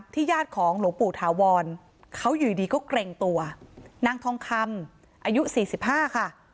ญาติของหลวงปู่ถาวรเขาอยู่ดีก็เกรงตัวนางทองคำอายุสี่สิบห้าค่ะ